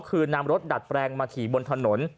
คือนำรถดัดแปลงมาขี่บนถนน